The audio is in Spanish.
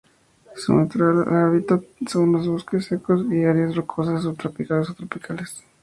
Su natural hábitat son los bosques secos y áreas rocosas subtropicales o tropicales.